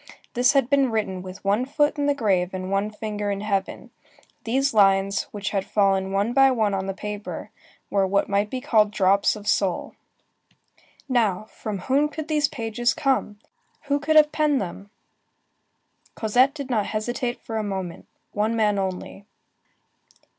This had been written with one foot in the grave and one finger in heaven. These lines, which had fallen one by one on the paper, were what might be called drops of soul. Now, from whom could these pages come? Who could have penned them? Cosette did not hesitate a moment. One man only.